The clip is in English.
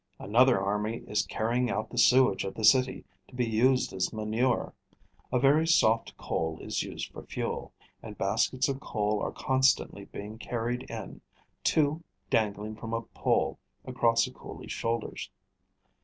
Another army is carrying out the sewage of the city to be used as manure. A very soft coal is used for fuel; and baskets of coal are constantly being carried in, two dangling from a pole across a coolie's shoulders.